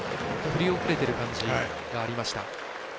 振り遅れている感じがありました。